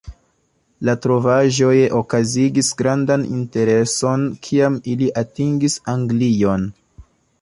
La trovaĵoj okazigis grandan intereson kiam ili atingis Anglion.